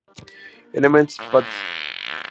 Elements Pt.